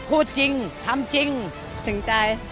พูดจริงทำจริงถึงใจ